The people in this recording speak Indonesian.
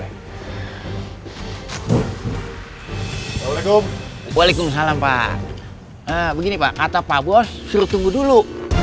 waalaikum waalaikum salam pak begini pak kata pak bos suruh tunggu dulu